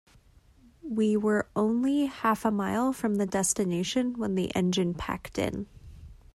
We were only half a mile from the destination when the engine packed in.